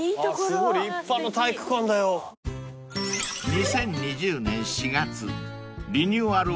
［２０２０年４月リニューアル